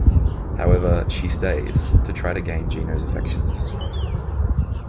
However, she stays, to try to gain Gino's affections.